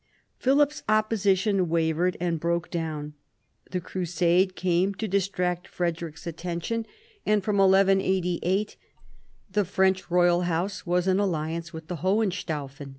Philip's op position wavered and broke down. The crusade came to distract Frederic's attention; and from 1188 the French royal house was in alliance with the Hohenstaufen.